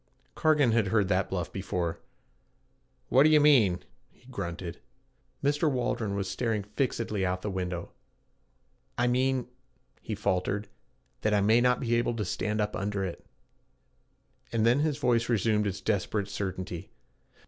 Cargan had heard that bluff before. 'What d' you mean?' he grunted. Mr. Waldron was staring fixedly out of the window. 'I mean,' he faltered, 'that I may not be able to stand up under it.' And then his voice resumed its desperate certainty.